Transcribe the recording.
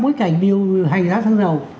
bối cảnh điều hành giá xăng dầu